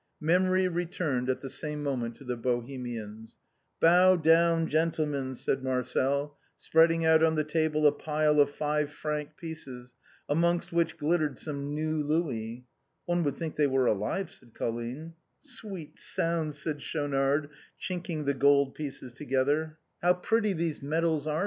Memory returned at the same moment to the Bohemians. "Bow down, gentlemen," said Marcel, spreading out on the table a pile of five franc pieces, amongst which glittered some new louis. " One would think they were alive," said Colline. " Sweet sounds," said Schaunard, chinking the gold pieces together. 252 THE BOHEMIANS OF THE LATIN QUARTER. " How pretty these medals are